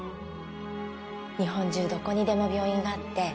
日本中どこにでも病院があって